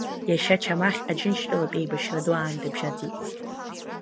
Иашьа Чамахь Аџьынџьтәылатә еибашьра Ду аан дыбжьаӡит.